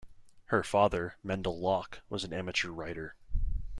Her father, Mendel Locke, was an amateur writer.